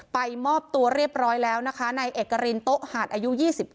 ไปมอบตัวเรียบร้อยแล้วนะคะนายเอกรินโต๊ะหาดอายุ๒๙